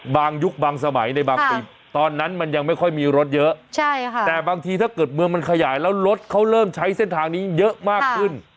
ยุคบางสมัยในบางปีตอนนั้นมันยังไม่ค่อยมีรถเยอะแต่บางทีถ้าเกิดเมืองมันขยายแล้วรถเขาเริ่มใช้เส้นทางนี้เยอะมากขึ้น